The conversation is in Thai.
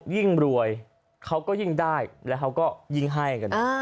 ยิ่งรวยเขาก็ยิ่งได้แล้วเขาก็ยิ่งให้กัน